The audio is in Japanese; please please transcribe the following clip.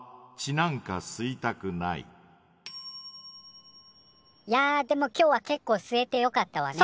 いやでも今日はけっこう吸えてよかったわね。